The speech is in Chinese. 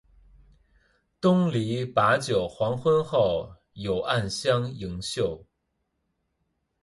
东篱把酒黄昏后，有暗香盈袖